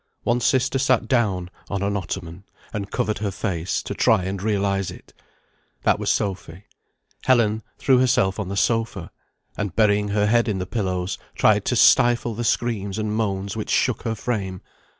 One sister sat down on an ottoman, and covered her face, to try and realise it. That was Sophy. Helen threw herself on the sofa, and burying her head in the pillows, tried to stifle the screams and moans which shook her frame.